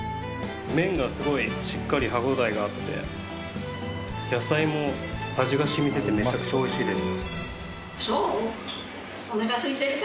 麺がすごいしっかり歯応えがあって野菜も味が染みててめちゃくちゃ美味しいです。